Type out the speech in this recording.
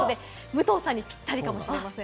武藤さんにぴったりかもしれません。